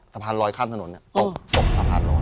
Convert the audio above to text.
สะพานลอยข้ามถนนตรงสะพานลอย